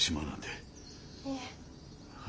いえ。